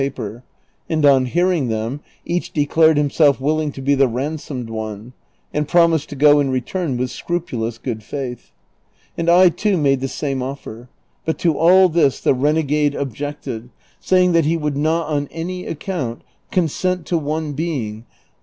aper, and on hearing them, each declared himself willing to be the ransomed one, and promised to go and return with scrupulous good faith ; and I too made the same offer; but to all this the i enegade objected, saying that he would not on any account consent to one being set 'Babazoun, "the gate of grief," the south gate of Algiers.